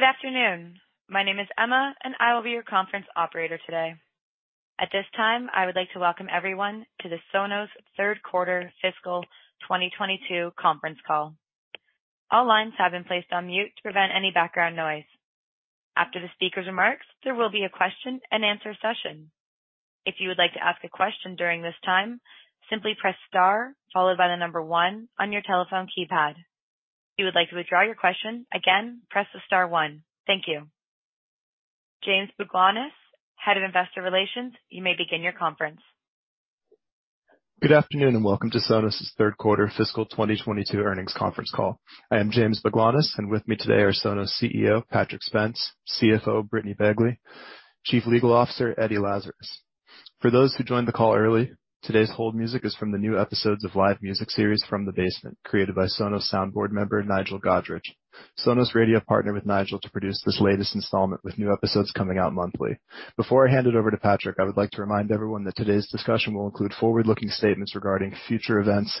Good afternoon. My name is Emma, and I will be your Conference Operator today. At this time, I would like to welcome everyone to the Sonos third quarter fiscal 2022 conference call. All lines have been placed on mute to prevent any background noise. After the speaker's remarks, there will be a question and answer session. If you would like to ask a question during this time, simply press star followed by the number one on your telephone keypad. If you would like to withdraw your question, again, press star one. Thank you. James Baglanis, Head of Investor Relations, you may begin your conference. Good afternoon, and welcome to Sonos' third quarter fiscal 2022 earnings conference call. I am James Baglanis, and with me today are Sonos CEO Patrick Spence, CFO Brittany Bagley, Chief Legal Officer Eddie Lazarus. For those who joined the call early, today's hold music is from the new episodes of live music series From the Basement, created by Sonos Soundboard Member Nigel Godrich. Sonos Radio partnered with Nigel to produce this latest installment, with new episodes coming out monthly. Before I hand it over to Patrick, I would like to remind everyone that today's discussion will include forward-looking statements regarding future events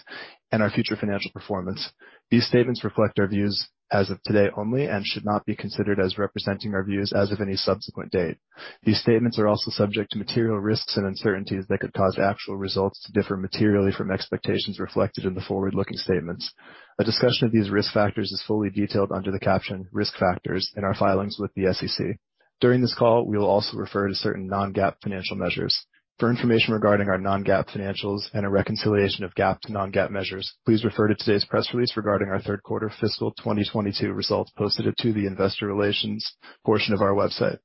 and our future financial performance. These statements reflect our views as of today only and should not be considered as representing our views as of any subsequent date. These statements are also subject to material risks and uncertainties that could cause actual results to differ materially from expectations reflected in the forward-looking statements. A discussion of these risk factors is fully detailed under the caption Risk Factors in our filings with the SEC. During this call, we will also refer to certain non-GAAP financial measures. For information regarding our non-GAAP financials and a reconciliation of GAAP to non-GAAP measures, please refer to today's press release regarding our third quarter fiscal 2022 results posted to the investor relations portion of our website.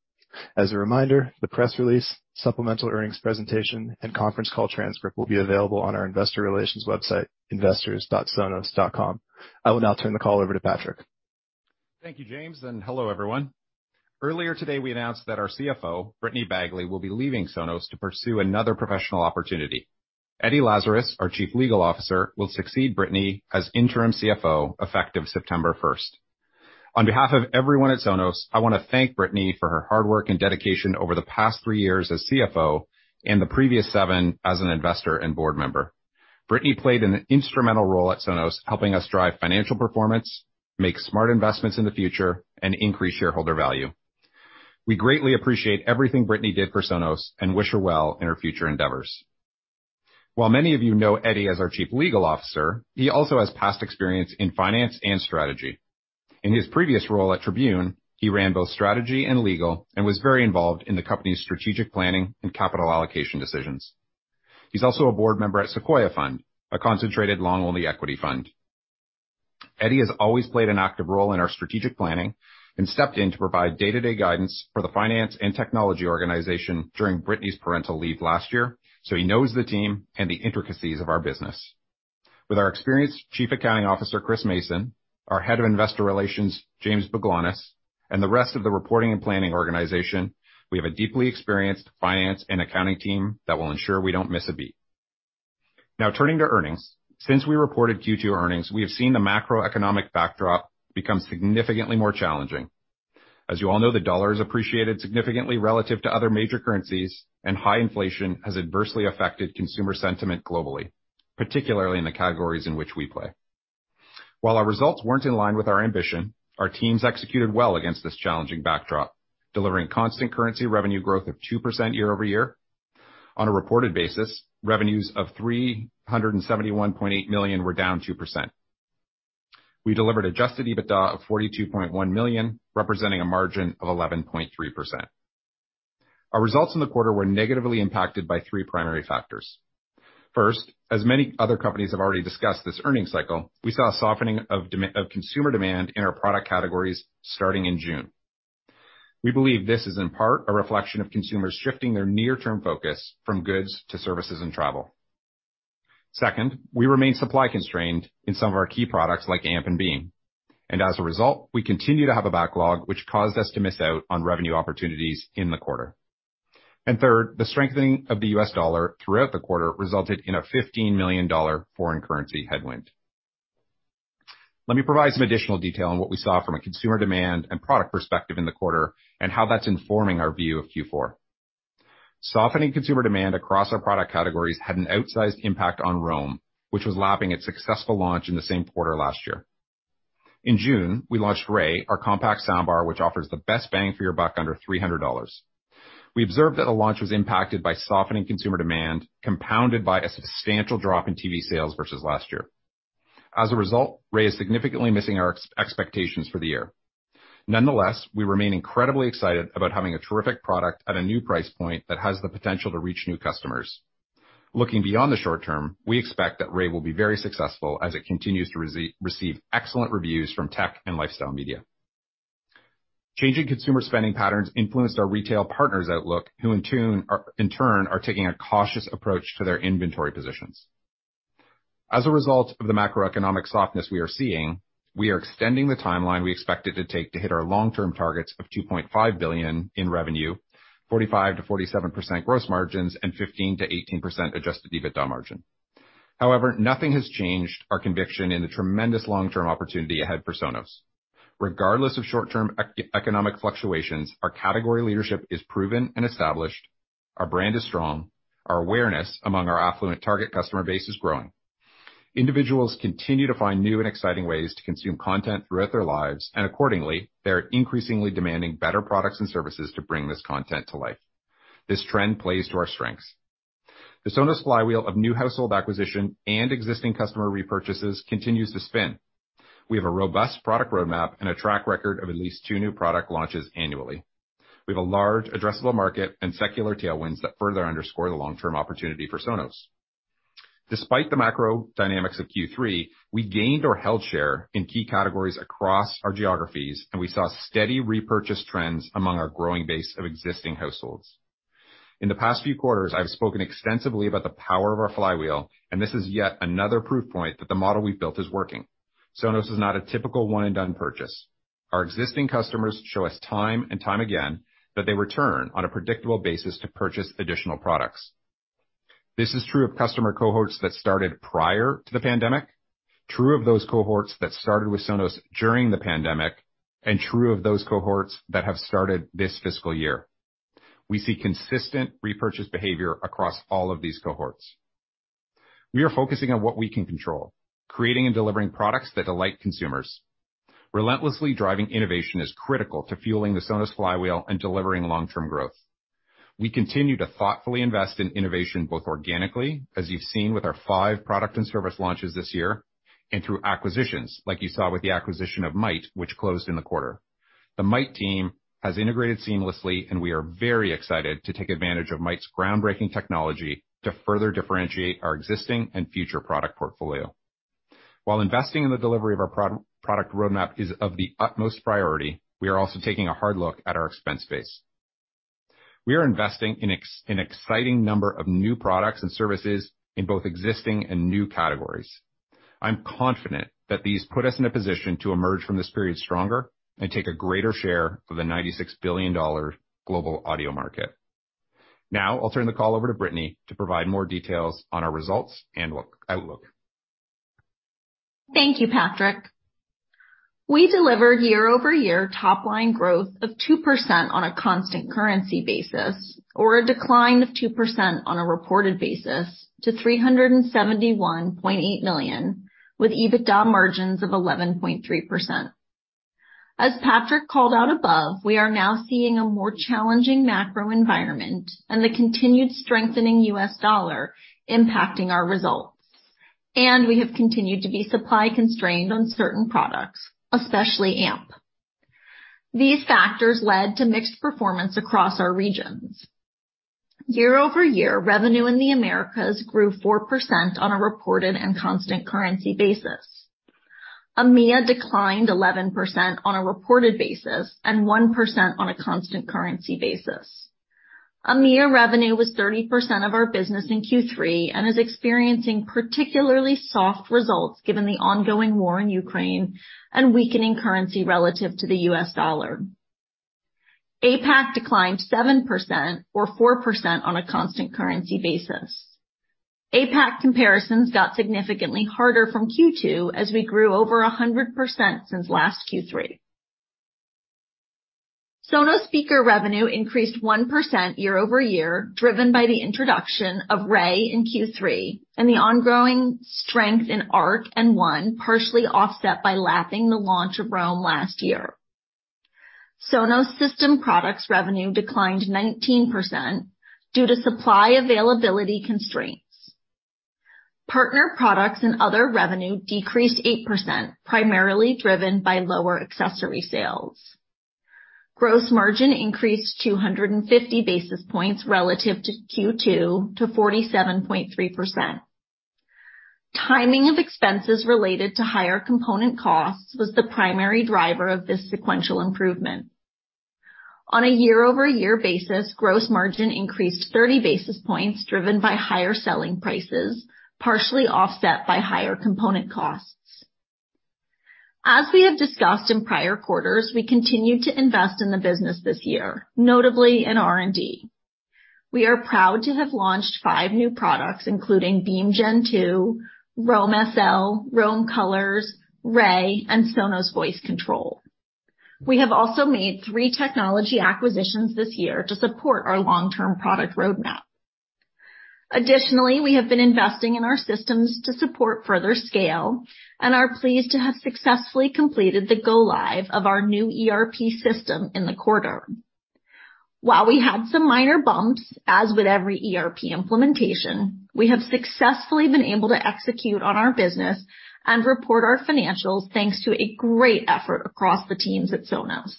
As a reminder, the press release, supplemental earnings presentation, and conference call transcript will be available on our investor relations website, investors.sonos.com. I will now turn the call over to Patrick. Thank you, James, and hello, everyone. Earlier today, we announced that our CFO, Brittany Bagley, will be leaving Sonos to pursue another professional opportunity. Eddie Lazarus, our Chief Legal Officer, will succeed Brittany as interim CFO effective September first. On behalf of everyone at Sonos, I wanna thank Brittany for her hard work and dedication over the past three years as CFO and the previous seven as an investor and board member. Brittany played an instrumental role at Sonos, helping us drive financial performance, make smart investments in the future, and increase shareholder value. We greatly appreciate everything Brittany did for Sonos and wish her well in her future endeavors. While many of you know Eddie as our Chief Legal Officer, he also has past experience in finance and strategy. In his previous role at Tribune, he ran both strategy and legal and was very involved in the company's strategic planning and capital allocation decisions. He's also a board member at Sequoia Fund, a concentrated long-only equity fund. Eddie has always played an active role in our strategic planning and stepped in to provide day-to-day guidance for the finance and technology organization during Brittany's parental leave last year, so he knows the team and the intricacies of our business. With our experienced Chief Accounting Officer, Chris Mason, our Head of Investor Relations, James Baglanis, and the rest of the reporting and planning organization, we have a deeply experienced finance and accounting team that will ensure we don't miss a beat. Now turning to earnings. Since we reported Q2 earnings, we have seen the macroeconomic backdrop become significantly more challenging. As you all know, the dollar has appreciated significantly relative to other major currencies, and high inflation has adversely affected consumer sentiment globally, particularly in the categories in which we play. While our results weren't in line with our ambition, our teams executed well against this challenging backdrop, delivering constant currency revenue growth of 2% year-over-year. On a reported basis, revenues of $371.8 million were down 2%. We delivered Adjusted EBITDA of $42.1 million, representing a margin of 11.3%. Our results in the quarter were negatively impacted by three primary factors. First, as many other companies have already discussed this earnings cycle, we saw a softening of consumer demand in our product categories starting in June. We believe this is in part a reflection of consumers shifting their near-term focus from goods to services and travel. Second, we remain supply constrained in some of our key products like Amp and Beam, and as a result, we continue to have a backlog which caused us to miss out on revenue opportunities in the quarter. Third, the strengthening of the U.S. dollar throughout the quarter resulted in a $15 million foreign currency headwind. Let me provide some additional detail on what we saw from a consumer demand and product perspective in the quarter and how that's informing our view of Q4. Softening consumer demand across our product categories had an outsized impact on Roam, which was lapping its successful launch in the same quarter last year. In June, we launched Ray, our compact sound bar, which offers the best bang for your buck under $300. We observed that the launch was impacted by softening consumer demand, compounded by a substantial drop in TV sales versus last year. As a result, Ray is significantly missing our expectations for the year. Nonetheless, we remain incredibly excited about having a terrific product at a new price point that has the potential to reach new customers. Looking beyond the short term, we expect that Ray will be very successful as it continues to receive excellent reviews from tech and lifestyle media. Changing consumer spending patterns influenced our retail partners' outlook, who in turn, are taking a cautious approach to their inventory positions. As a result of the macroeconomic softness we are seeing, we are extending the timeline we expected to take to hit our long-term targets of $2.5 billion in revenue, 45%-47% gross margins, and 15%-18% Adjusted EBITDA margin. However, nothing has changed our conviction in the tremendous long-term opportunity ahead for Sonos. Regardless of short-term economic fluctuations, our category leadership is proven and established. Our brand is strong. Our awareness among our affluent target customer base is growing. Individuals continue to find new and exciting ways to consume content throughout their lives, and accordingly, they are increasingly demanding better products and services to bring this content to life. This trend plays to our strengths. The Sonos flywheel of new household acquisition and existing customer repurchases continues to spin. We have a robust product roadmap and a track record of at least two new product launches annually. We have a large addressable market and secular tailwinds that further underscore the long-term opportunity for Sonos. Despite the macro dynamics of Q3, we gained or held share in key categories across our geographies, and we saw steady repurchase trends among our growing base of existing households. In the past few quarters, I've spoken extensively about the power of our flywheel, and this is yet another proof point that the model we've built is working. Sonos is not a typical one-and-done purchase. Our existing customers show us time and time again that they return on a predictable basis to purchase additional products. This is true of customer cohorts that started prior to the pandemic, true of those cohorts that started with Sonos during the pandemic, and true of those cohorts that have started this fiscal year. We see consistent repurchase behavior across all of these cohorts. We are focusing on what we can control, creating and delivering products that delight consumers. Relentlessly driving innovation is critical to fueling the Sonos flywheel and delivering long-term growth. We continue to thoughtfully invest in innovation, both organically, as you've seen with our five product and service launches this year, and through acquisitions, like you saw with the acquisition of Mayht, which closed in the quarter. The Mayht team has integrated seamlessly, and we are very excited to take advantage of Mayht's groundbreaking technology to further differentiate our existing and future product portfolio. While investing in the delivery of our product roadmap is of the utmost priority, we are also taking a hard look at our expense base. We are investing in an exciting number of new products and services in both existing and new categories. I'm confident that these put us in a position to emerge from this period stronger and take a greater share of the $96 billion global audio market. Now I'll turn the call over to Brittany to provide more details on our results and outlook. Thank you, Patrick. We delivered year-over-year top line growth of 2% on a constant currency basis or a decline of 2% on a reported basis to $371.8 million, with EBITDA margins of 11.3%. As Patrick called out above, we are now seeing a more challenging macro environment and the continued strengthening US dollar impacting our results, and we have continued to be supply constrained on certain products, especially Amp. These factors led to mixed performance across our regions. Year-over-year revenue in the Americas grew 4% on a reported and constant currency basis. EMEA declined 11% on a reported basis and 1% on a constant currency basis. EMEA revenue was 30% of our business in Q3 and is experiencing particularly soft results given the ongoing war in Ukraine and weakening currency relative to the US dollar. APAC declined 7% or 4% on a constant currency basis. APAC comparisons got significantly harder from Q2 as we grew over 100% since last Q3. Sonos speaker revenue increased 1% year-over-year, driven by the introduction of Ray in Q3 and the ongoing strength in Arc and One, partially offset by lapping the launch of Roam last year. Sonos system products revenue declined 19% due to supply availability constraints. Partner products and other revenue decreased 8%, primarily driven by lower accessory sales. Gross margin increased 250 basis points relative to Q2 to 47.3%. Timing of expenses related to higher component costs was the primary driver of this sequential improvement. On a year-over-year basis, gross margin increased 30 basis points driven by higher selling prices, partially offset by higher component costs. As we have discussed in prior quarters, we continued to invest in the business this year, notably in R&D. We are proud to have launched five new products, including Beam (Gen 2), Roam SL, Roam Colors, Ray, and Sonos Voice Control. We have also made three technology acquisitions this year to support our long-term product roadmap. Additionally, we have been investing in our systems to support further scale and are pleased to have successfully completed the go live of our new ERP system in the quarter. While we had some minor bumps, as with every ERP implementation, we have successfully been able to execute on our business and report our financials thanks to a great effort across the teams at Sonos.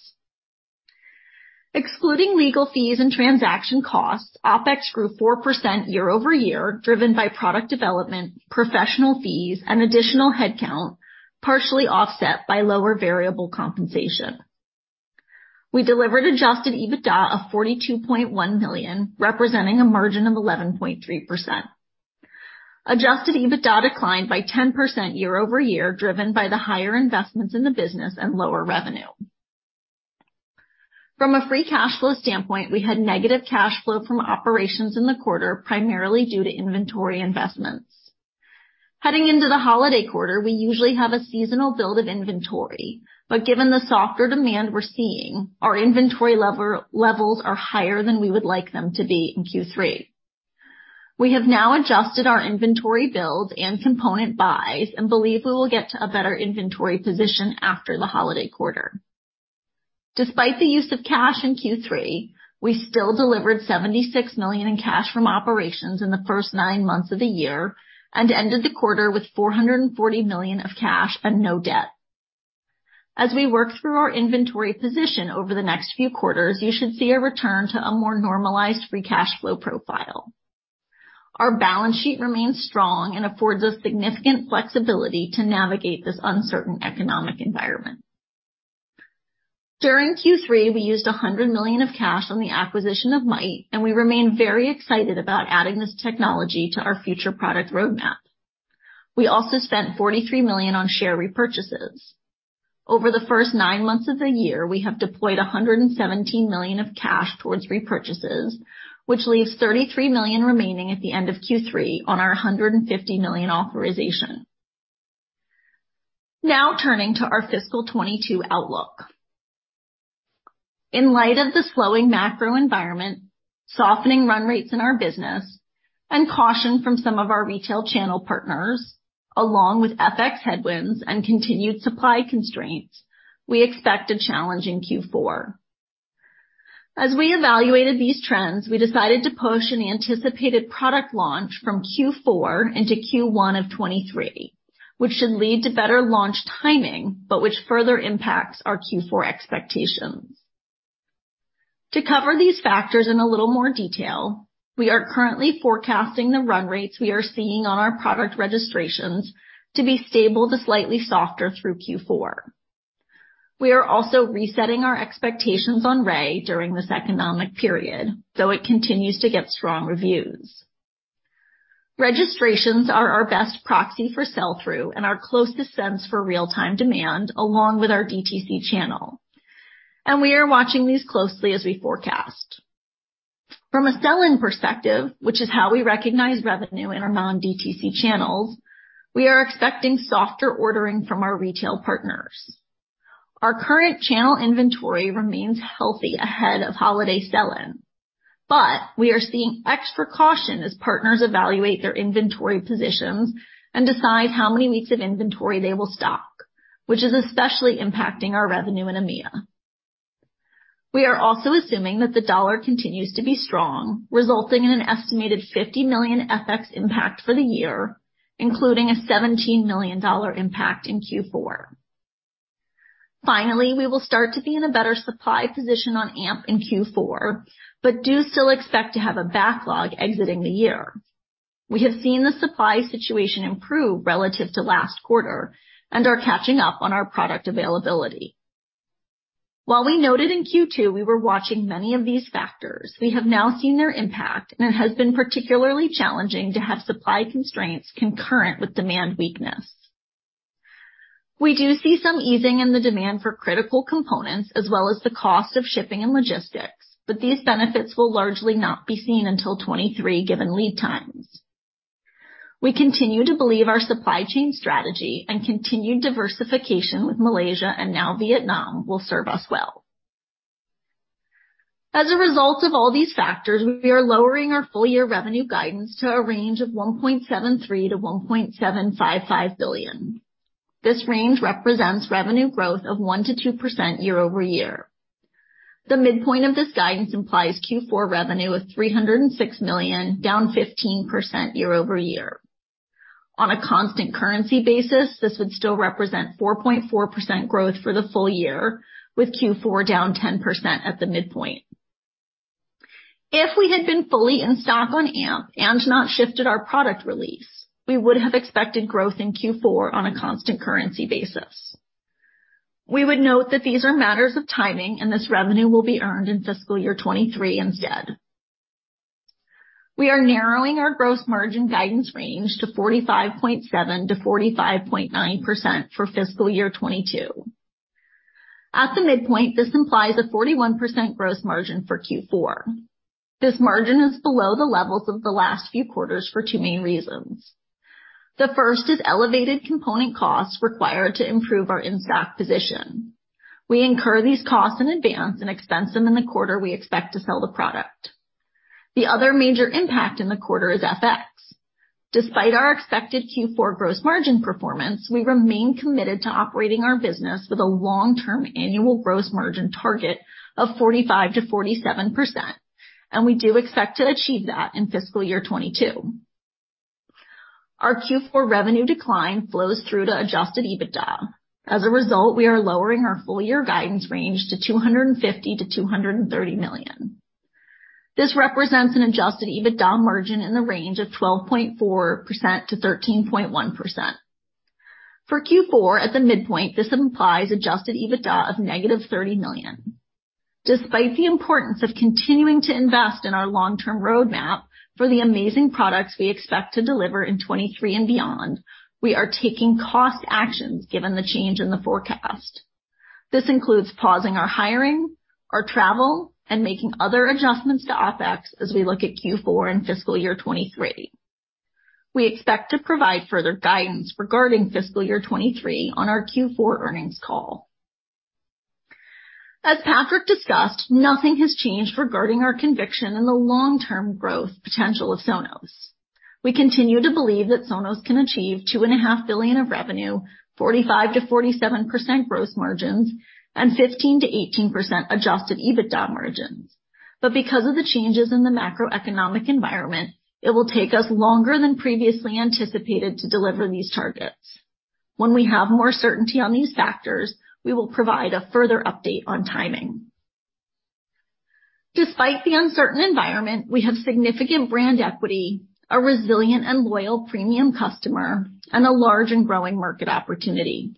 Excluding legal fees and transaction costs, OpEx grew 4% year-over-year, driven by product development, professional fees, and additional headcount, partially offset by lower variable compensation. We delivered Adjusted EBITDA of $42.1 million, representing a margin of 11.3%. Adjusted EBITDA declined by 10% year-over-year, driven by the higher investments in the business and lower revenue. From a free cash flow standpoint, we had negative cash flow from operations in the quarter, primarily due to inventory investments. Heading into the holiday quarter, we usually have a seasonal build of inventory, but given the softer demand we're seeing, our inventory levels are higher than we would like them to be in Q3. We have now adjusted our inventory build and component buys and believe we will get to a better inventory position after the holiday quarter. Despite the use of cash in Q3, we still delivered $76 million in cash from operations in the first nine months of the year, and ended the quarter with $440 million of cash and no debt. As we work through our inventory position over the next few quarters, you should see a return to a more normalized free cash flow profile. Our balance sheet remains strong and affords us significant flexibility to navigate this uncertain economic environment. During Q3, we used $100 million of cash on the acquisition of Mayht, and we remain very excited about adding this technology to our future product roadmap. We also spent $43 million on share repurchases. Over the first nine months of the year, we have deployed $117 million of cash towards repurchases, which leaves $33 million remaining at the end of Q3 on our $150 million authorization. Now turning to our fiscal 2022 outlook. In light of the slowing macro environment, softening run rates in our business and caution from some of our retail channel partners, along with FX headwinds and continued supply constraints, we expect a challenge in Q4. As we evaluated these trends, we decided to push an anticipated product launch from Q4 into Q1 of 2023, which should lead to better launch timing, but which further impacts our Q4 expectations. To cover these factors in a little more detail, we are currently forecasting the run rates we are seeing on our product registrations to be stable to slightly softer through Q4. We are also resetting our expectations on Ray during this economic period, though it continues to get strong reviews. Registrations are our best proxy for sell-through and our closest sense for real-time demand, along with our DTC channel. We are watching these closely as we forecast. From a sell-in perspective, which is how we recognize revenue in our non-DTC channels, we are expecting softer ordering from our retail partners. Our current channel inventory remains healthy ahead of holiday sell-in, but we are seeing extra caution as partners evaluate their inventory positions and decide how many weeks of inventory they will stock, which is especially impacting our revenue in EMEA. We are also assuming that the dollar continues to be strong, resulting in an estimated $50 million FX impact for the year, including a $17 million impact in Q4. Finally, we will start to be in a better supply position on Amp in Q4, but do still expect to have a backlog exiting the year. We have seen the supply situation improve relative to last quarter and are catching up on our product availability. While we noted in Q2 we were watching many of these factors, we have now seen their impact, and it has been particularly challenging to have supply constraints concurrent with demand weakness. We do see some easing in the demand for critical components as well as the cost of shipping and logistics, but these benefits will largely not be seen until 2023, given lead times. We continue to believe our supply chain strategy and continued diversification with Malaysia and now Vietnam will serve us well. As a result of all these factors, we are lowering our full year revenue guidance to a range of $1.73 billion-$1.755 billion. This range represents revenue growth of 1%-2% year-over-year. The midpoint of this guidance implies Q4 revenue of $306 million, down 15% year-over-year. On a constant currency basis, this would still represent 4.4% growth for the full year, with Q4 down 10% at the midpoint. If we had been fully in stock on Amp and not shifted our product release, we would have expected growth in Q4 on a constant currency basis. We would note that these are matters of timing and this revenue will be earned in fiscal year 2023 instead. We are narrowing our gross margin guidance range to 45.7%-45.9% for fiscal year 2022. At the midpoint, this implies a 41% gross margin for Q4. This margin is below the levels of the last few quarters for two main reasons. The first is elevated component costs required to improve our in-stock position. We incur these costs in advance and expense them in the quarter we expect to sell the product. The other major impact in the quarter is FX. Despite our expected Q4 gross margin performance, we remain committed to operating our business with a long-term annual gross margin target of 45%-47%, and we do expect to achieve that in fiscal year 2022. Our Q4 revenue decline flows through to Adjusted EBITDA. As a result, we are lowering our full year guidance range to $250 million-$230 million. This represents an Adjusted EBITDA margin in the range of 12.4%-13.1%. For Q4 at the midpoint, this implies Adjusted EBITDA of -$30 million. Despite the importance of continuing to invest in our long-term roadmap for the amazing products we expect to deliver in 2023 and beyond, we are taking cost actions given the change in the forecast. This includes pausing our hiring, our travel, and making other adjustments to OpEx as we look at Q4 and fiscal year 2023. We expect to provide further guidance regarding fiscal year 2023 on our Q4 earnings call. As Patrick discussed, nothing has changed regarding our conviction in the long-term growth potential of Sonos. We continue to believe that Sonos can achieve $2.5 billion of revenue, 45%-47% gross margins, and 15%-18% adjusted EBITDA margins. Because of the changes in the macroeconomic environment, it will take us longer than previously anticipated to deliver these targets. When we have more certainty on these factors, we will provide a further update on timing. Despite the uncertain environment, we have significant brand equity, a resilient and loyal premium customer, and a large and growing market opportunity.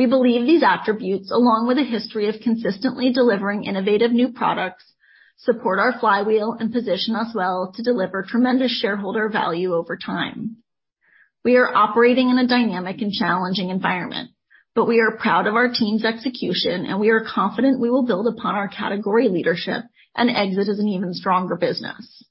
We believe these attributes, along with a history of consistently delivering innovative new products, support our flywheel and position us well to deliver tremendous shareholder value over time. We are operating in a dynamic and challenging environment, but we are proud of our team's execution, and we are confident we will build upon our category leadership and exit as an even stronger business.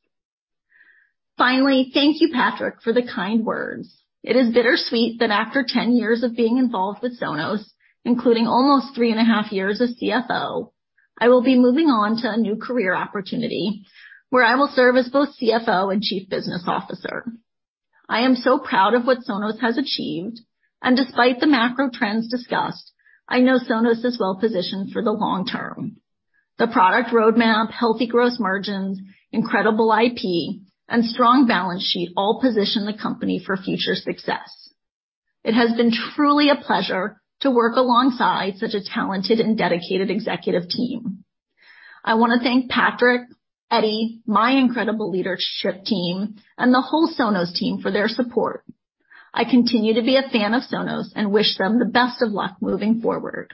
Finally, thank you, Patrick, for the kind words. It is bittersweet that after 10 years of being involved with Sonos, including almost three and a half years as CFO, I will be moving on to a new career opportunity where I will serve as both CFO and Chief Business Officer. I am so proud of what Sonos has achieved, and despite the macro trends discussed, I know Sonos is well positioned for the long term. The product roadmap, healthy growth margins, incredible IP, and strong balance sheet all position the company for future success. It has been truly a pleasure to work alongside such a talented and dedicated executive team. I wanna thank Patrick, Eddie, my incredible leadership team, and the whole Sonos team for their support. I continue to be a fan of Sonos and wish them the best of luck moving forward.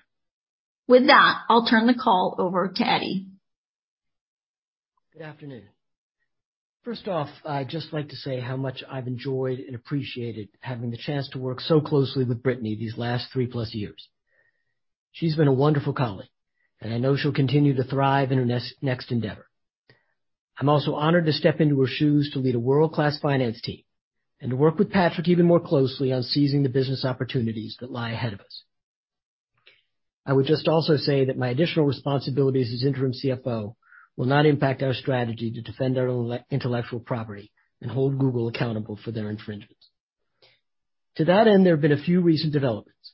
With that, I'll turn the call over to Eddie. Good afternoon. First off, I'd just like to say how much I've enjoyed and appreciated having the chance to work so closely with Brittany these last three-plus years. She's been a wonderful colleague, and I know she'll continue to thrive in her next endeavor. I'm also honored to step into her shoes to lead a world-class finance team and to work with Patrick even more closely on seizing the business opportunities that lie ahead of us. I would just also say that my additional responsibilities as interim CFO will not impact our strategy to defend our intellectual property and hold Google accountable for their infringements. To that end, there have been a few recent developments.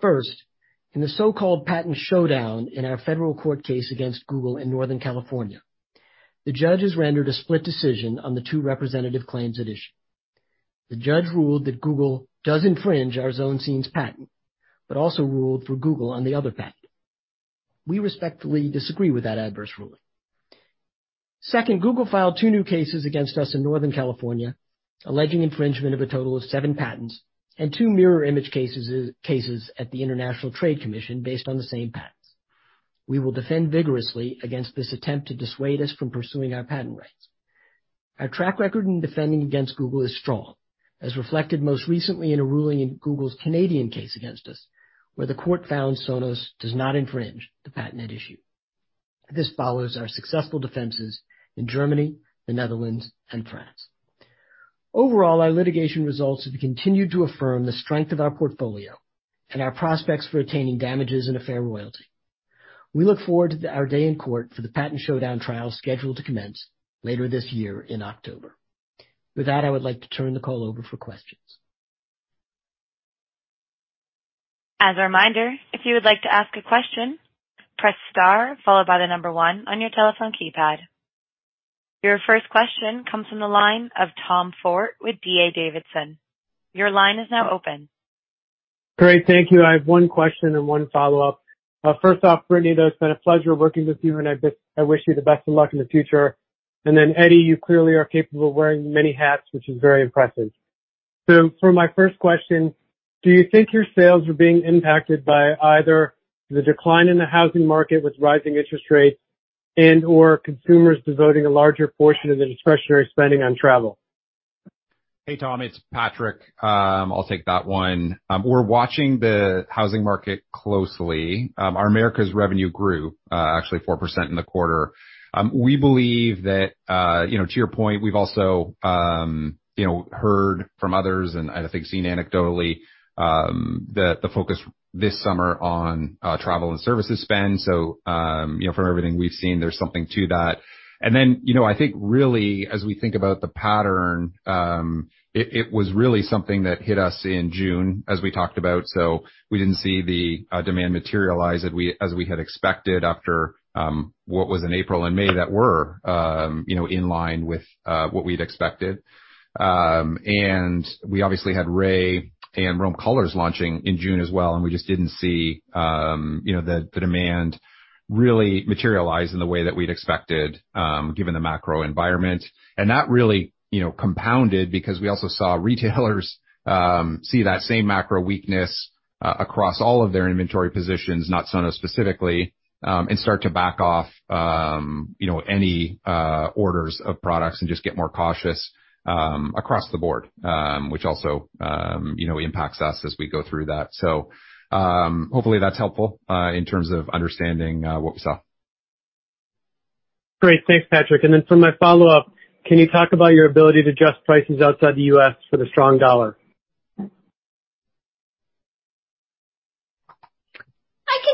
First, in the so-called patent showdown in our federal court case against Google in Northern California, the judge has rendered a split decision on the two representative claims at issue. The judge ruled that Google does infringe our Zone Scene patent, but also ruled for Google on the other patent. We respectfully disagree with that adverse ruling. Second, Google filed two new cases against us in Northern California, alleging infringement of a total of seven patents and two mirror image cases at the International Trade Commission based on the same patents. We will defend vigorously against this attempt to dissuade us from pursuing our patent rights. Our track record in defending against Google is strong, as reflected most recently in a ruling in Google's Canadian case against us, where the court found Sonos does not infringe the patent at issue. This follows our successful defenses in Germany, the Netherlands, and France. Overall, our litigation results have continued to affirm the strength of our portfolio and our prospects for attaining damages and a fair royalty. We look forward to our day in court for the patent showdown trial scheduled to commence later this year in October. With that, I would like to turn the call over for questions. As a reminder, if you would like to ask a question, press star followed by the number one on your telephone keypad. Your first question comes from the line of Tom Forte with D.A. Davidson. Your line is now open. Great. Thank you. I have one question and one follow-up. First off, Brittany, though, it's been a pleasure working with you, and I just, I wish you the best of luck in the future. Then, Eddie, you clearly are capable of wearing many hats, which is very impressive. For my first question, do you think your sales are being impacted by either the decline in the housing market with rising interest rates and/or consumers devoting a larger portion of their discretionary spending on travel? Hey, Tom, it's Patrick. I'll take that one. We're watching the housing market closely. Our Americas revenue grew actually 4% in the quarter. We believe that, you know, to your point, we've also, you know, heard from others and I think seen anecdotally the focus this summer on travel and services spend. You know, from everything we've seen, there's something to that. Then, you know, I think really, as we think about the pattern, it was really something that hit us in June as we talked about, so we didn't see the demand materialize as we had expected after what was in April and May that were, you know, in line with what we'd expected. We obviously had Ray and Roam Colors launching in June as well, and we just didn't see, you know, the demand really materialize in the way that we'd expected, given the macro environment. That really, you know, compounded because we also saw retailers see that same macro weakness across all of their inventory positions, not Sonos specifically, and start to back off, you know, any orders of products and just get more cautious across the board, which also, you know, impacts us as we go through that. Hopefully that's helpful in terms of understanding what we saw. Great. Thanks, Patrick. For my follow-up, can you talk about your ability to adjust prices outside the U.S. for the strong dollar?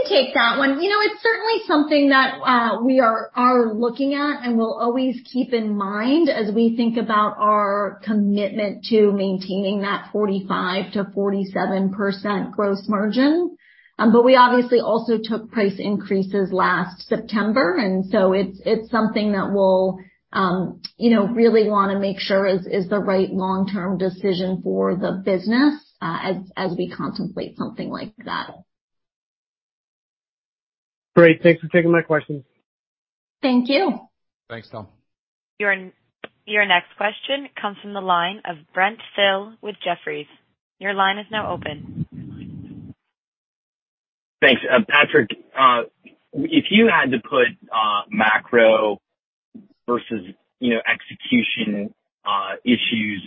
I can take that one. You know, it's certainly something that we are looking at and will always keep in mind as we think about our commitment to maintaining that 45%-47% gross margin. We obviously also took price increases last September, and so it's something that we'll you know really wanna make sure is the right long-term decision for the business, as we contemplate something like that. Great. Thanks for taking my questions. Thank you. Thanks, Tom. Your next question comes from the line of Brent Thill with Jefferies. Your line is now open. Thanks. Patrick, if you had to put macro versus, you know, execution issues,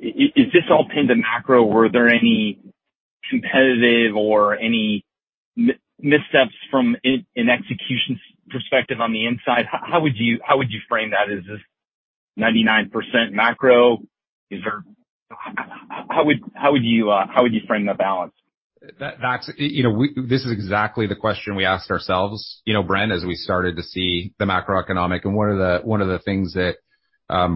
is this all pinned to macro? Were there any competitive or any missteps from an execution perspective on the inside? How would you frame that? Is this 99% macro? How would you frame the balance? This is exactly the question we asked ourselves, you know, Brent, as we started to see the macroeconomic. One of the things that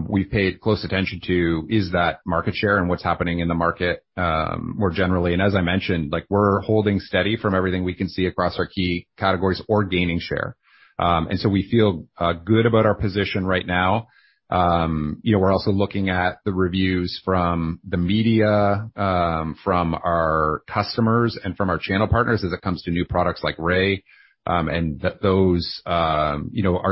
we paid close attention to is that market share and what's happening in the market, more generally. As I mentioned, like we're holding steady from everything we can see across our key categories or gaining share. We feel good about our position right now. You know, we're also looking at the reviews from the media, from our customers and from our channel partners as it comes to new products like Ray, and that those are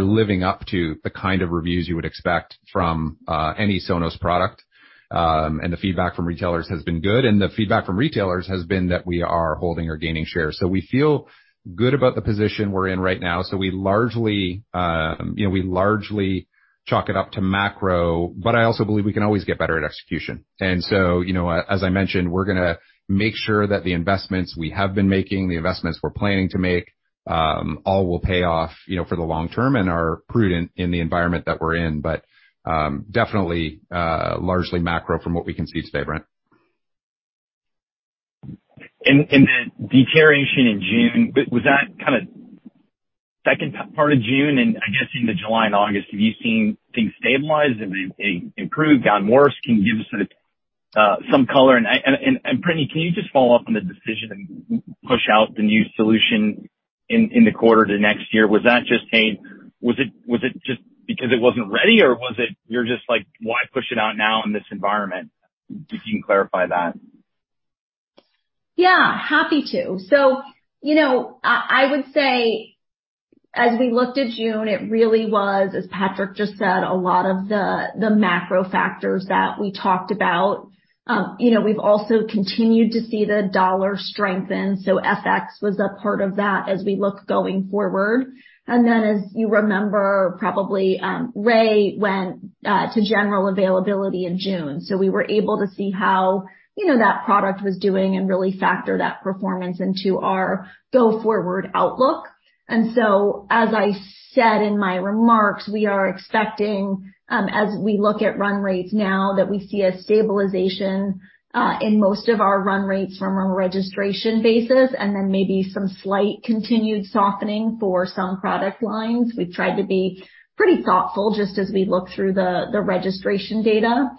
living up to the kind of reviews you would expect from any Sonos product. The feedback from retailers has been good, and the feedback from retailers has been that we are holding or gaining share. We feel good about the position we're in right now. We largely, you know, chalk it up to macro, but I also believe we can always get better at execution. You know, as I mentioned, we're gonna make sure that the investments we have been making, the investments we're planning to make, all will pay off, you know, for the long term and are prudent in the environment that we're in. Definitely, largely macro from what we can see today, Brent. The deterioration in June, was that kind of second part of June, and I guess into July and August, have you seen things stabilize? Have they improved, gotten worse? Can you give us sort of some color? Brittany, can you just follow up on the decision and push out the new solution in the quarter to next year? Was that just saying? Was it just because it wasn't ready, or was it you're just like, why push it out now in this environment? If you can clarify that. Yeah, happy to. You know, I would say, as we looked at June, it really was, as Patrick just said, a lot of the macro factors that we talked about. You know, we've also continued to see the dollar strengthen, so FX was a part of that as we look going forward. You remember, probably, Ray went to general availability in June, so we were able to see how, you know, that product was doing and really factor that performance into our go-forward outlook. As I said in my remarks, we are expecting, as we look at run rates now, that we see a stabilization in most of our run rates from a registration basis, and then maybe some slight continued softening for some product lines. We've tried to be pretty thoughtful just as we look through the registration data.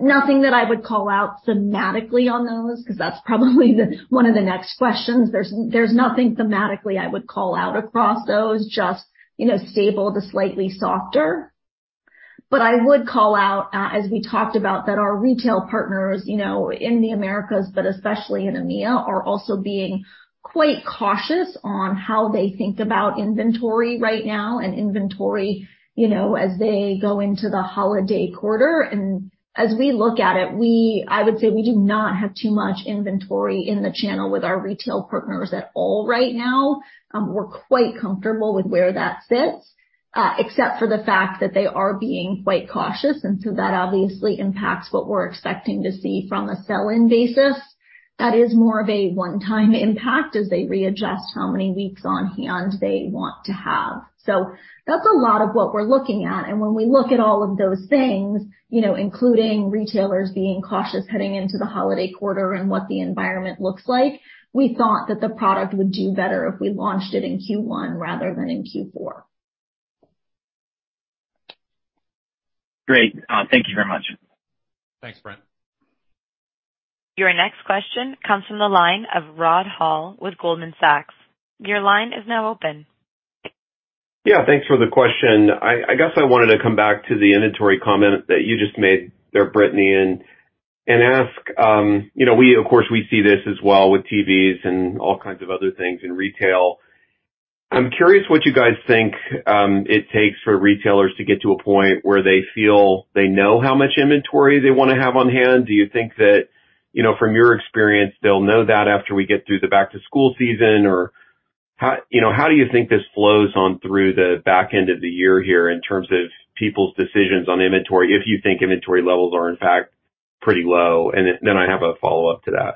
Nothing that I would call out thematically on those, 'cause that's probably one of the next questions. There's nothing thematically I would call out across those, just, you know, stable to slightly softer. But I would call out, as we talked about, that our retail partners, you know, in the Americas, but especially in EMEA, are also being quite cautious on how they think about inventory right now, you know, as they go into the holiday quarter. As we look at it, I would say we do not have too much inventory in the channel with our retail partners at all right now. We're quite comfortable with where that sits, except for the fact that they are being quite cautious, and so that obviously impacts what we're expecting to see from a sell-in basis. That is more of a one-time impact as they readjust how many weeks on hand they want to have. That's a lot of what we're looking at. When we look at all of those things, you know, including retailers being cautious heading into the holiday quarter and what the environment looks like, we thought that the product would do better if we launched it in Q1 rather than in Q4. Great. Thank you very much. Thanks, Brent. Your next question comes from the line of Rod Hall with Goldman Sachs. Your line is now open. Yeah, thanks for the question. I guess I wanted to come back to the inventory comment that you just made there, Brittany, and ask. You know, we of course see this as well with TVs and all kinds of other things in retail. I'm curious what you guys think it takes for retailers to get to a point where they feel they know how much inventory they wanna have on hand. Do you think that, you know, from your experience they'll know that after we get through the back to school season? Or how, you know, how do you think this flows on through the back end of the year here in terms of people's decisions on inventory, if you think inventory levels are in fact pretty low? And then I have a follow-up to that.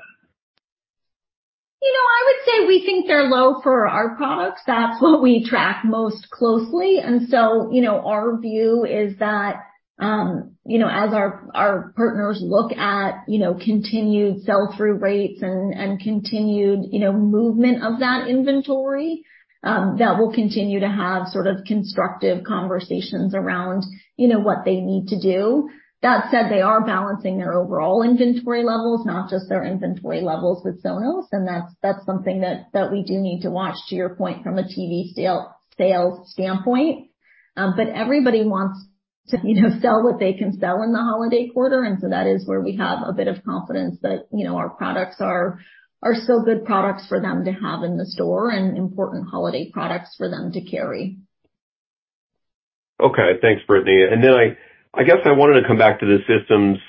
We think they're low for our products. That's what we track most closely. Our view is that, you know, as our partners look at, you know, continued sell-through rates and continued, you know, movement of that inventory, that we'll continue to have sort of constructive conversations around, you know, what they need to do. That said, they are balancing their overall inventory levels, not just their inventory levels with Sonos, and that's something that we do need to watch, to your point, from a TV sales standpoint. Everybody wants to, you know, sell what they can sell in the holiday quarter. That is where we have a bit of confidence that, you know, our products are still good products for them to have in the store and important holiday products for them to carry. Okay. Thanks, Brittany. I guess I wanted to come back to the system's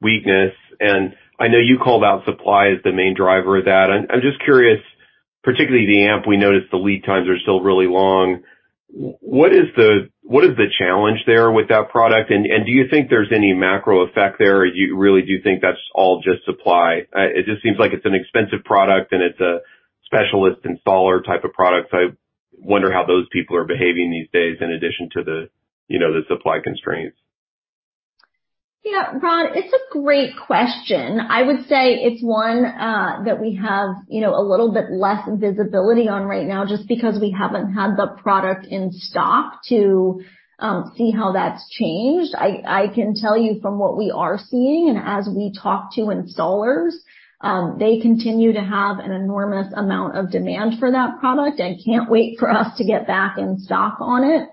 weakness. I know you called out supply as the main driver of that. I'm just curious, particularly the Amp, we noticed the lead times are still really long. What is the challenge there with that product? Do you think there's any macro effect there, or you really do think that's all just supply? It just seems like it's an expensive product, and it's a specialist installer type of product. I wonder how those people are behaving these days in addition to the, you know, the supply constraints. Yeah. Rod, it's a great question. I would say it's one that we have, you know, a little bit less visibility on right now just because we haven't had the product in stock to see how that's changed. I can tell you from what we are seeing and as we talk to installers, they continue to have an enormous amount of demand for that product and can't wait for us to get back in stock on it.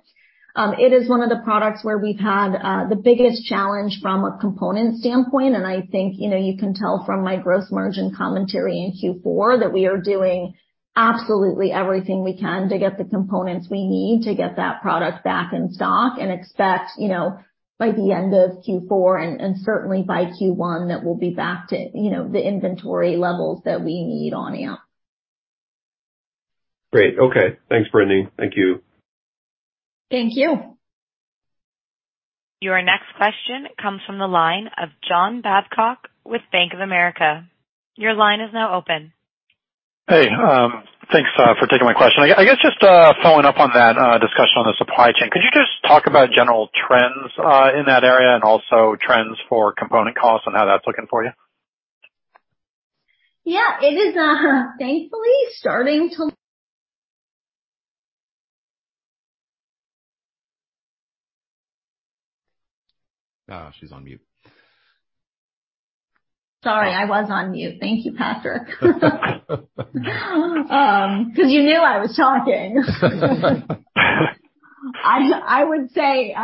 It is one of the products where we've had the biggest challenge from a component standpoint, and I think, you know, you can tell from my gross margin commentary in Q4 that we are doing absolutely everything we can to get the components we need to get that product back in stock. Expect, you know, by the end of Q4 and certainly by Q1, that we'll be back to, you know, the inventory levels that we need on Amp. Great. Okay. Thanks, Brittany. Thank you. Thank you. Your next question comes from the line of John Babcock with Bank of America. Your line is now open. Hey. Thanks for taking my question. I guess just following up on that discussion on the supply chain, could you just talk about general trends in that area and also trends for component costs and how that's looking for you? Yeah. It is, thankfully starting to- She's on mute. Sorry, I was on mute. Thank you, Patrick. 'Cause you knew I was talking. I would say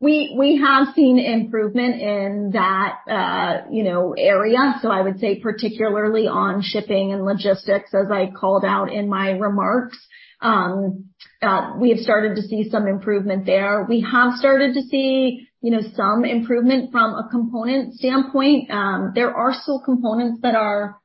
we have seen improvement in that, you know, area. I would say particularly on shipping and logistics, as I called out in my remarks, we have started to see some improvement there. We have started to see, you know, some improvement from a component standpoint. There are still components that are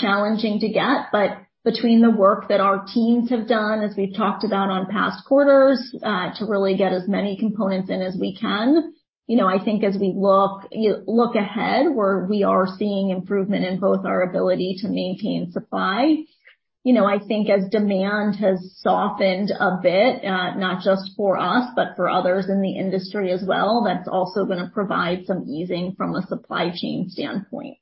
challenging to get, but between the work that our teams have done, as we've talked about on past quarters, to really get as many components in as we can. You know, I think as we look, you know, ahead, we are seeing improvement in both our ability to maintain supply. You know, I think as demand has softened a bit, not just for us, but for others in the industry as well, that's also gonna provide some easing from a supply chain standpoint.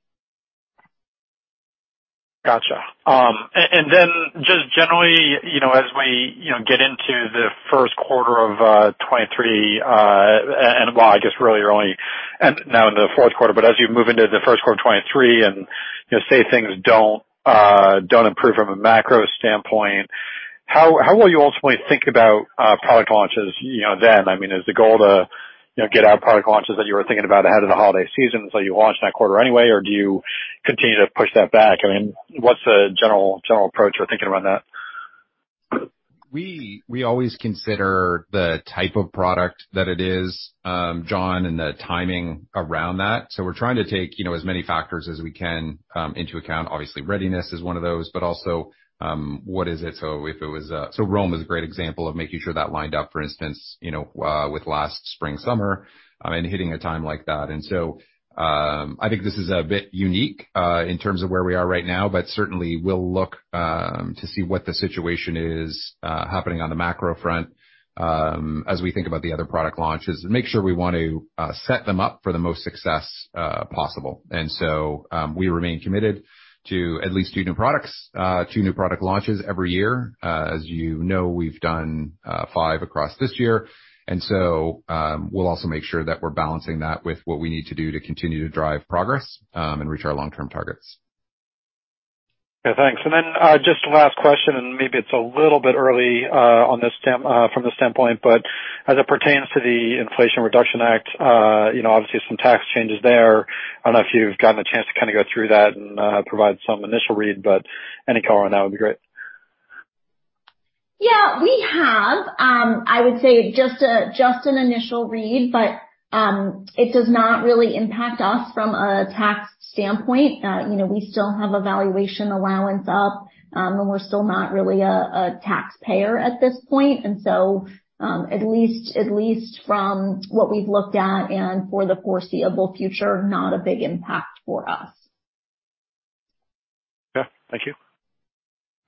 Gotcha. Then just generally, you know, as we, you know, get into the first quarter of 2023, and while I guess we're now in the fourth quarter, but as you move into the first quarter of 2023 and, you know, say things don't improve from a macro standpoint, how will you ultimately think about product launches, you know, then? I mean, is the goal to, you know, get out product launches that you were thinking about ahead of the holiday season, so you launch that quarter anyway, or do you continue to push that back? I mean, what's the general approach you're thinking around that? We always consider the type of product that it is, John, and the timing around that. We're trying to take, you know, as many factors as we can into account. Obviously, readiness is one of those, but also, what is it? Roam is a great example of making sure that lined up, for instance, you know, with last spring, summer, and hitting a time like that. I think this is a bit unique in terms of where we are right now. Certainly we'll look to see what the situation is happening on the macro front as we think about the other product launches and make sure we want to set them up for the most success possible. We remain committed to at least two new products, two new product launches every year. As you know, we've done five across this year. We'll also make sure that we're balancing that with what we need to do to continue to drive progress, and reach our long-term targets. Yeah. Thanks. Just last question, and maybe it's a little bit early from this standpoint, but as it pertains to the Inflation Reduction Act, you know, obviously some tax changes there. I don't know if you've gotten a chance to kinda go through that and provide some initial read, but any color on that would be great. Yeah. We have. I would say just an initial read, but it does not really impact us from a tax standpoint. You know, we still have a valuation allowance up, and we're still not really a taxpayer at this point. At least from what we've looked at and for the foreseeable future, not a big impact for us. Yeah. Thank you.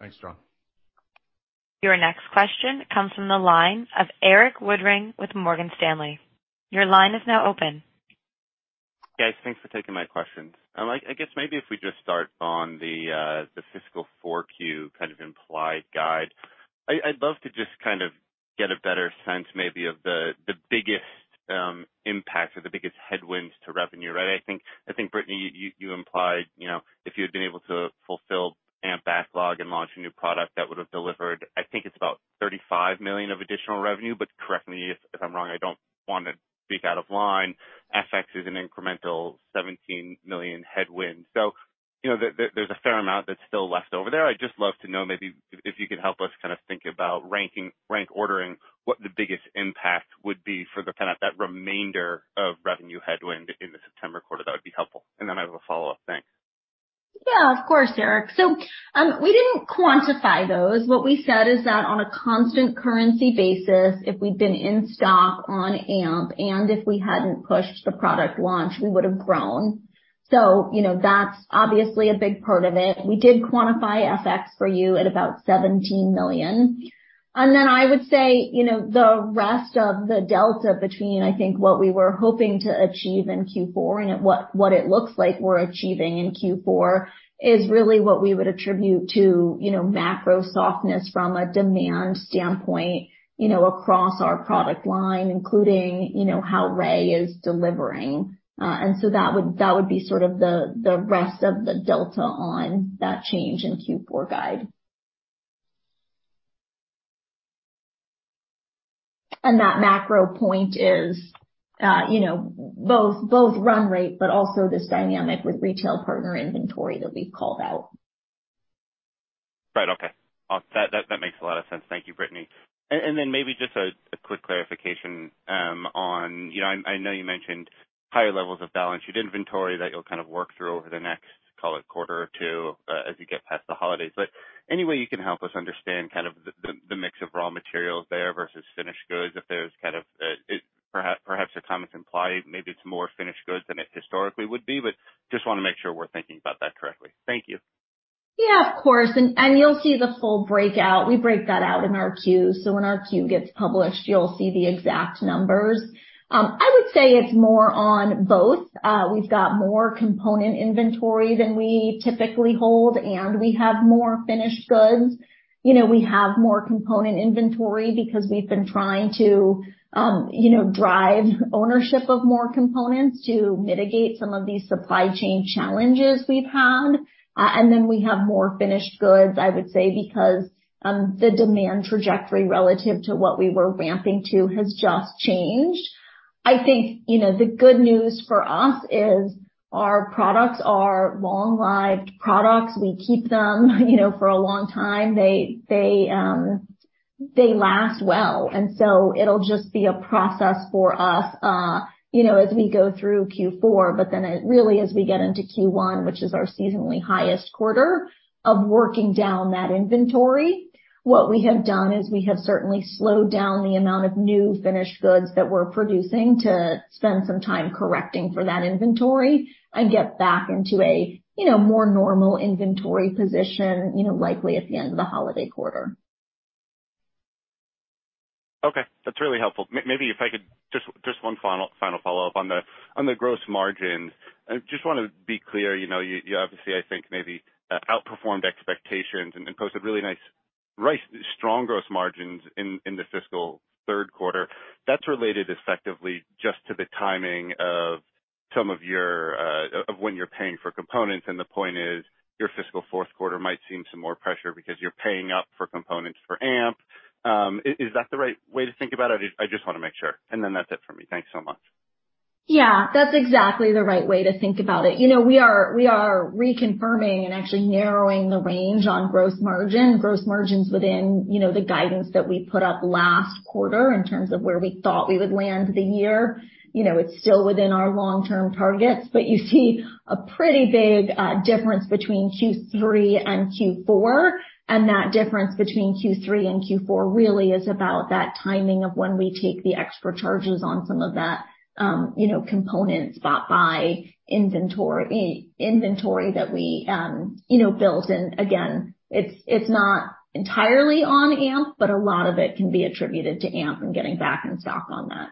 Thanks, Ron. Your next question comes from the line of Erik Woodring with Morgan Stanley. Your line is now open. Guys, thanks for taking my questions. I'd like, I guess maybe if we just start on the fiscal Q4 kind of implied guide. I'd love to just kind of get a better sense maybe of the biggest impact or the biggest headwinds to revenue. Right? I think Brittany, you implied, you know, if you had been able to fulfill Amp backlog and launch a new product, that would have delivered, I think it's about $35 million of additional revenue. But correct me if I'm wrong, I don't wanna speak out of line. FX is an incremental $17 million headwind. You know, there's a fair amount that's still left over there. I'd just love to know maybe if you could help us kind of think about ranking. Rank ordering what the biggest impact would be for the kind of that remainder of revenue headwind in the September quarter. That would be helpful. I have a follow-up. Thanks. Yeah, of course, Erik. We didn't quantify those. What we said is that on a constant currency basis, if we'd been in stock on Amp, and if we hadn't pushed the product launch, we would have grown. You know, that's obviously a big part of it. We did quantify FX for you at about $17 million. Then I would say, you know, the rest of the delta between, I think, what we were hoping to achieve in Q4 and what it looks like we're achieving in Q4 is really what we would attribute to, you know, macro softness from a demand standpoint, you know, across our product line, including, you know, how Ray is delivering. That would be sort of the rest of the delta on that change in Q4 guide. That macro point is, you know, both run rate, but also this dynamic with retail partner inventory that we called out. Right. Okay. That makes a lot of sense. Thank you, Brittany. Then maybe just a quick clarification on, you know, I know you mentioned higher levels of balance sheet inventory that you'll kind of work through over the next, call it, quarter or two, as you get past the holidays. Any way you can help us understand kind of the mix of raw materials there versus finished goods, if there's kind of perhaps the comments implied, maybe it's more finished goods than it historically would be, but just wanna make sure we're thinking about that correctly. Thank you. Yeah, of course. You'll see the full breakout. We break that out in our Qs. When our Q gets published, you'll see the exact numbers. I would say it's more on both. We've got more component inventory than we typically hold, and we have more finished goods. You know, we have more component inventory because we've been trying to, you know, drive ownership of more components to mitigate some of these supply chain challenges we've had. And then we have more finished goods, I would say, because the demand trajectory relative to what we were ramping to has just changed. I think, you know, the good news for us is our products are long-lived products. We keep them, you know, for a long time. They last well, and so it'll just be a process for us, you know, as we go through Q4, but then it really as we get into Q1, which is our seasonally highest quarter of working down that inventory. What we have done is we have certainly slowed down the amount of new finished goods that we're producing to spend some time correcting for that inventory and get back into a, you know, more normal inventory position, you know, likely at the end of the holiday quarter. Okay, that's really helpful. Maybe if I could just one final follow-up on the gross margin. I just wanna be clear, you know, you obviously I think maybe outperformed expectations and posted really nice, right, strong gross margins in the fiscal third quarter. That's related effectively just to the timing of some of your of when you're paying for components. The point is, your fiscal fourth quarter might see some more pressure because you're paying up for components for Amp. Is that the right way to think about it? I just wanna make sure. That's it for me. Thanks so much. Yeah. That's exactly the right way to think about it. You know, we are reconfirming and actually narrowing the range on gross margin. Gross margin's within, you know, the guidance that we put up last quarter in terms of where we thought we would land the year. You know, it's still within our long-term targets, but you see a pretty big difference between Q3 and Q4, and that difference between Q3 and Q4 really is about that timing of when we take the extra charges on some of that, you know, components bought for inventory that we, you know, built in. Again, it's not entirely on Amp, but a lot of it can be attributed to Amp and getting back in stock on that.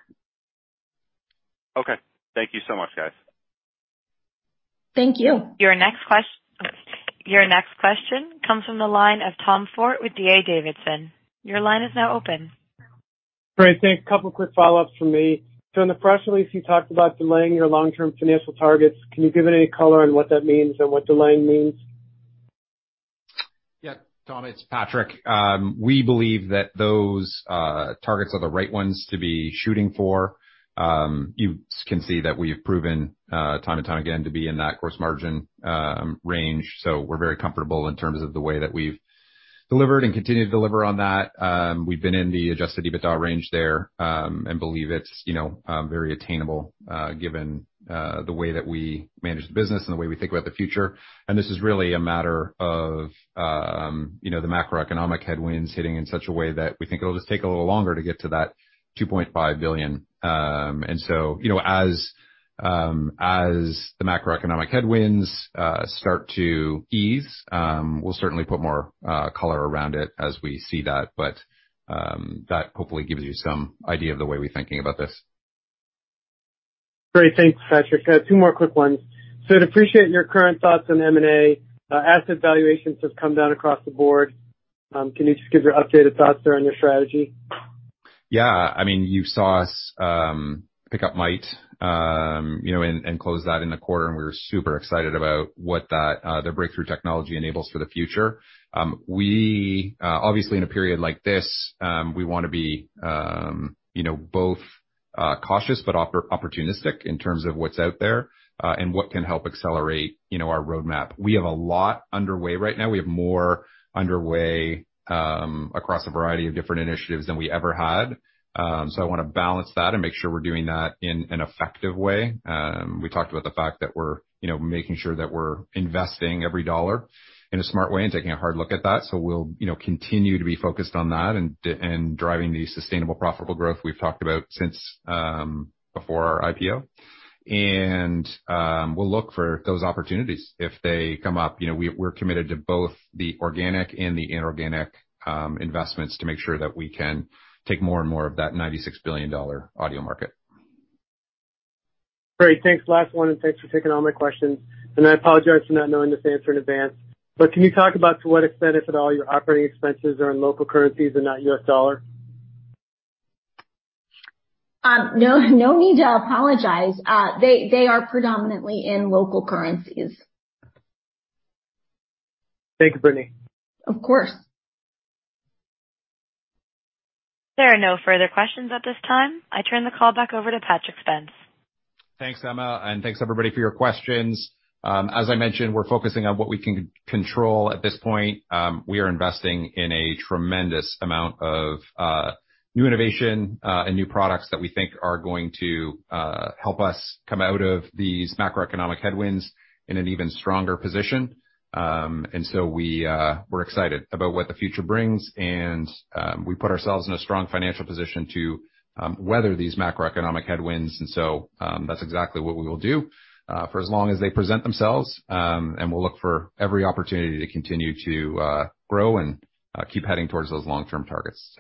Okay. Thank you so much, guys. Thank you. Your next question comes from the line of Tom Forte with D.A. Davidson. Your line is now open. Great. Thanks. A couple quick follow-ups from me. In the press release, you talked about delaying your long-term financial targets. Can you give any color on what that means and what delaying means? Yeah. Tom, it's Patrick. We believe that those targets are the right ones to be shooting for. You can see that we've proven time and time again to be in that gross margin range. So we're very comfortable in terms of the way that we've delivered and continue to deliver on that. We've been in the Adjusted EBITDA range there, and believe it's, you know, very attainable, given the way that we manage the business and the way we think about the future. This is really a matter of, you know, the macroeconomic headwinds hitting in such a way that we think it'll just take a little longer to get to that $2.5 billion. You know, as the macroeconomic headwinds start to ease, we'll certainly put more color around it as we see that. That hopefully gives you some idea of the way we're thinking about this. Great. Thanks, Patrick. Two more quick ones. I'd appreciate your current thoughts on M&A. Asset valuations have come down across the board. Can you just give your updated thoughts there on your strategy? Yeah. I mean, you saw us pick up Mayht, you know, and close that in the quarter, and we were super excited about what that, their breakthrough technology enables for the future. We obviously, in a period like this, we wanna be, you know, both, cautious but opportunistic in terms of what's out there, and what can help accelerate, you know, our roadmap. We have a lot underway right now. We have more underway, across a variety of different initiatives than we ever had. I wanna balance that and make sure we're doing that in an effective way. We talked about the fact that we're, you know, making sure that we're investing every dollar in a smart way and taking a hard look at that. We'll, you know, continue to be focused on that and driving the sustainable profitable growth we've talked about since before our IPO. We'll look for those opportunities if they come up. You know, we're committed to both the organic and the inorganic investments to make sure that we can take more and more of that $96 billion audio market. Great. Thanks. Last one, and thanks for taking all my questions. I apologize for not knowing this answer in advance, but can you talk about to what extent, if at all, your operating expenses are in local currencies and not U.S. dollar? No need to apologize. They are predominantly in local currencies. Thank you, Brittany. Of course. There are no further questions at this time. I turn the call back over to Patrick Spence. Thanks, Emma, and thanks everybody for your questions. As I mentioned, we're focusing on what we can control at this point. We are investing in a tremendous amount of new innovation and new products that we think are going to help us come out of these macroeconomic headwinds in an even stronger position. We're excited about what the future brings, and we put ourselves in a strong financial position to weather these macroeconomic headwinds. That's exactly what we will do for as long as they present themselves. We'll look for every opportunity to continue to grow and keep heading towards those long-term targets.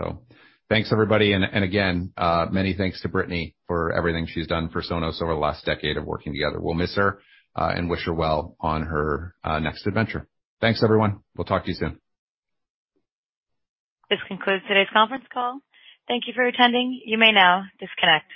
Thanks, everybody. Again, many thanks to Brittany for everything she's done for Sonos over the last decade of working together. We'll miss her, and wish her well on her next adventure. Thanks, everyone. We'll talk to you soon. This concludes today's conference call. Thank you for attending. You may now disconnect.